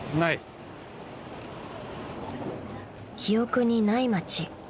［記憶にない街］